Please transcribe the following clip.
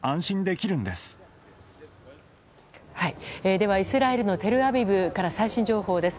ではイスラエルのテルアビブから最新情報です。